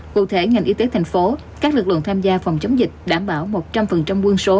cụ thể ngành y tế thành phố các lực lượng tham gia phòng chống dịch đảm bảo một trăm linh quân số